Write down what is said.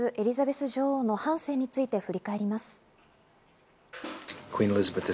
では、まずエリザベス女王の半生について振り返ります。